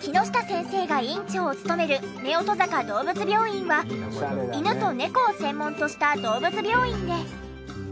木下先生が院長を務める夫婦坂動物病院は犬と猫を専門とした動物病院で。